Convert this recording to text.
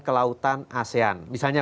kelautan asean misalnya